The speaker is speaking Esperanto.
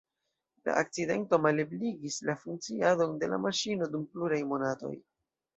La akcidento malebligis la funkciadon de la maŝino dum pluraj monatoj.